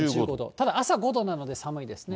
ただ、朝５度なので、寒いですね。